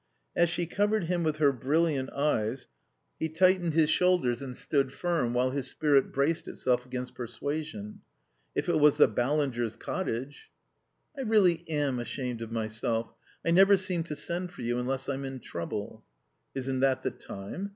As she covered him with her brilliant eyes he tightened his shoulders and stood firm, while his spirit braced itself against persuasion. If it was the Ballingers' cottage "I really am ashamed of myself. I never seem to send for you unless I'm in trouble." "Isn't that the time?"